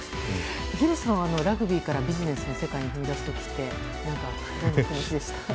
廣瀬さんはラグビーからビジネスの世界に踏み出す時ってどんな気持ちでした？